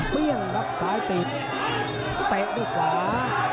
เปรี้ยงรับสายตีแตะด้วยขวา